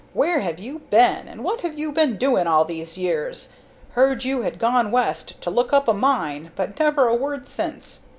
Where have you been, and what have you been doing all these years? Heard you had gone West to look up a mine, but never a word since.